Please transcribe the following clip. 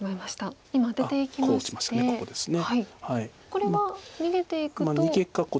これは逃げていくと。